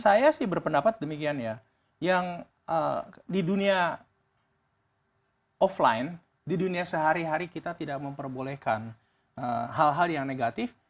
saya sih berpendapat demikian ya yang di dunia offline di dunia sehari hari kita tidak memperbolehkan hal hal yang negatif